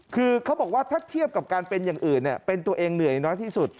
คือเขาบอกว่าถ้าเทียบกับการเป็นอย่างอื่นเป็นตัวเองเหนื่อยน้อยที่สุด